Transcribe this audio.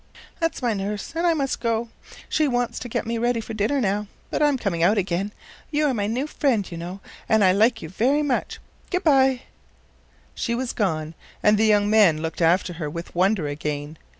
"That's my nurse, and I must go. She wants to get me ready for dinner now, but I'm coming out again. You are my new friend, you know, and I like you very much. Good by." She was gone, and the young man looked after her with wonder again.